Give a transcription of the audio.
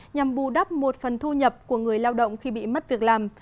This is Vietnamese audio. nhằm bù đắp một phần thu nhập của người lao động khi bị mất việc làm